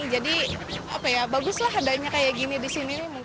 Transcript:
jadi baguslah adanya kayak gini di sini